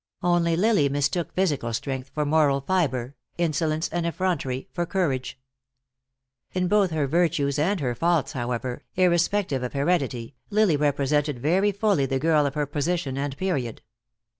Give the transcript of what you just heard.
Only Lily mistook physical strength for moral fibre, insolence and effrontery for courage. In both her virtues and her faults, however, irrespective of heredity, Lily represented very fully the girl of her position and period.